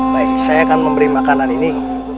baik saya akan memberi makanan ini